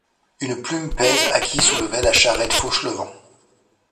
Une plume pèse à qui soulevait la charrette Fauchelevent